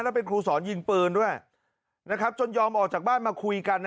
แล้วเป็นครูสอนยิงปืนด้วยนะครับจนยอมออกจากบ้านมาคุยกัน